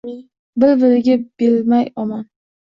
Bir-biriga bermay omon